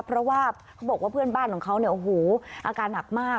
เพราะว่าเขาบอกว่าเพื่อนบ้านของเขาเนี่ยโอ้โหอาการหนักมาก